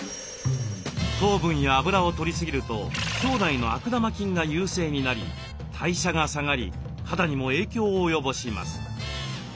糖分や油をとり過ぎると腸内の悪玉菌が優勢になり代謝が下がり肌にも影響を及ぼします。